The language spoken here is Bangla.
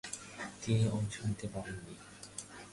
তিনি অংশ নিতে পারেননি।